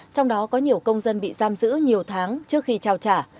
trong đó có nhiều công dân bị giam giữ nhiều tháng trước khi trao trả